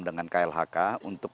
dengan klhk untuk